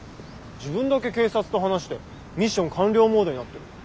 自分だけ警察と話してミッション完了モードになってる。